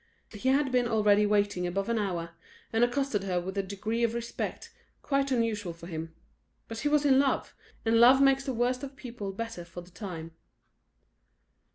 He had been already waiting above an hour, and accosted her with a degree of respect quite unusual for him; but he was in love, and love makes the worst of people better for the time.